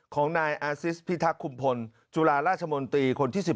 ของนายอาซิสพิทักษ์คุมพลจุฬาราชมนตรีคนที่๑๑